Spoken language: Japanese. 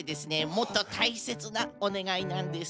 もっとたいせつなおねがいなんです。